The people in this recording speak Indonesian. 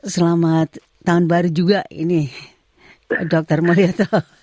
selamat tahun baru juga ini dr mulyoto